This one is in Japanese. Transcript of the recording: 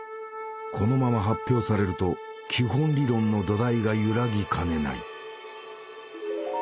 このまま発表されると「基本理論」の土台が揺らぎかねない。